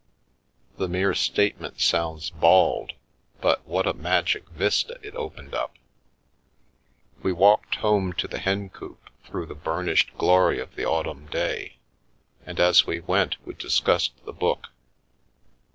The mere statement sounds bald, but what a magic vista it opened up ! We walked home to the Hencoop through the burn ished glory of the autumn day, and as we went we discussed the book.